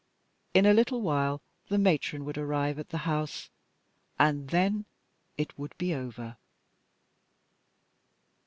In a little while the Matron would arrive at the house and then it would be over.